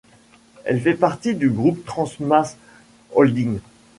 Elle fait partie du groupe Transmashholding.